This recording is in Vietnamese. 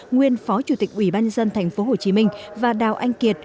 nguyên phó chủ tịch ubnd tp hcm và đào anh kiệt